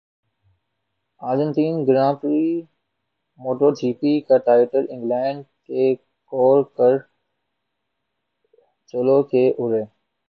Argentine Grand Prix MotoGP کا title England کے کال کرچلو لے اڑے